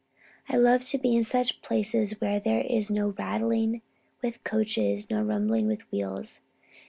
I love to be in such places where there is no rattling with coaches nor rumbling with wheels.